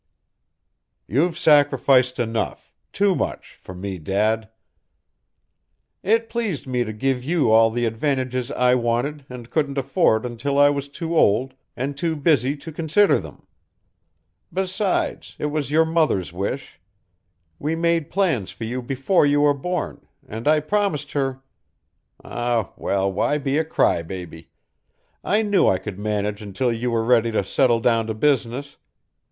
"You've sacrificed enough too much for me, Dad." "It pleased me to give you all the advantages I wanted and couldn't afford until I was too old and too busy to consider them. Besides, it was your mother's wish. We made plans for you before you were born, and I promised her ah, well, why be a cry baby? I knew I could manage until you were ready to settle down to business.